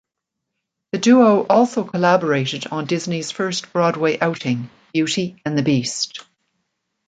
The duo also collaborated on Disney's first Broadway outing: "Beauty and the Beast".